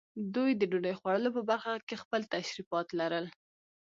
دوی د ډوډۍ خوړلو په برخه کې خپل تشریفات لرل.